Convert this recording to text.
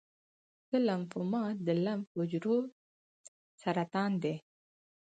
د لمفوما د لمف حجرو سرطان دی.